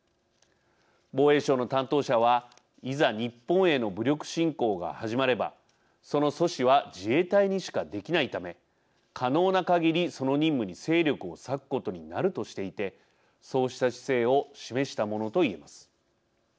防衛省の担当者はいざ日本への武力侵攻が始まればその阻止は自衛隊にしかできないため可能なかぎりその任務に勢力を割くことになるとしていてそうした姿勢を示したものと言えます。